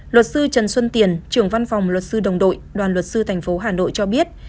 luật sư trần xuân tiền trưởng văn phòng luật sư đồng đội đoàn luật sư thành phố hà nội cho biết